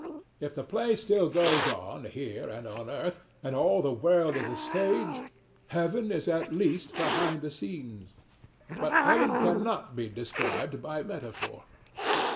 If the play still goes on here and on earth, and all the world is a stage, Heaven is at least behind the scenes. But Heaven cannot be described by metaphor.